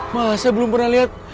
masa belom pernah lihat